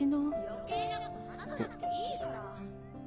余計なこと話さなくていいから！